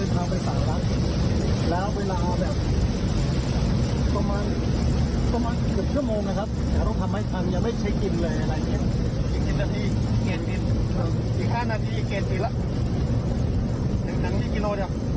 ตรงนี้มากเลย